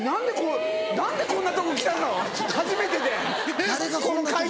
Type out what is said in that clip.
何でこんなとこ来たの⁉初めてで。